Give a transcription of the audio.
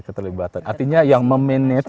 keterlibatan artinya yang meminit